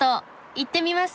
行ってみます。